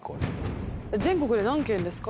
全国で何軒ですか？